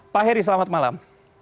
pak heri selamat malam